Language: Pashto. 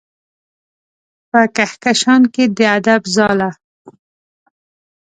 په کهکشان کې د ادب ځاله